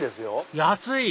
安い！